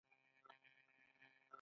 هر څه ،چې کرئ پر وخت یې وکرئ.